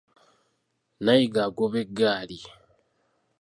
Nnayiga agoba eggaali.